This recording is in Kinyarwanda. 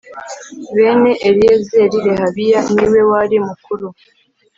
Bene Eliyezeri Rehabiya ni we wari mukuru